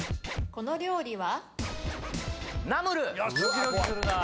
この料理は？